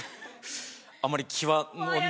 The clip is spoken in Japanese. あんまり。